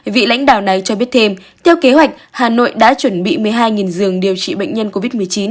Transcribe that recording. vị lãnh đạo này cho biết thêm theo kế hoạch hà nội đã chuẩn bị một mươi hai giường điều trị bệnh nhân covid một mươi chín